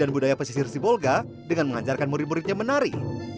budaya pesisir sibolga dengan mengajarkan murid muridnya menari